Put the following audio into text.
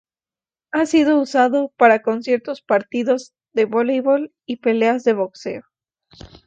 Ha sido usado para conciertos, partidos de voleibol y peleas de boxeo.